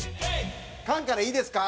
菅からいいですか？